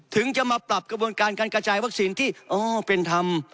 ถึงจะมาปรับกระบวนการการกระจายวัคซีนที่อ้อเป็นธรรม